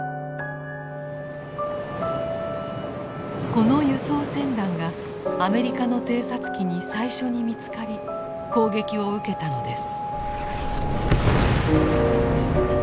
この輸送船団がアメリカの偵察機に最初に見つかり攻撃を受けたのです。